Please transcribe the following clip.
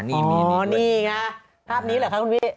อ๋อนี่ไงภาพนี้หรือคะคุณวิ